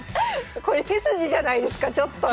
これ手筋じゃないですかちょっと！